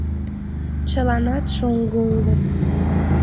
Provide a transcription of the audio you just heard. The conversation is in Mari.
Чыланат шоҥго улыт.